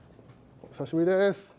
お久しぶりです。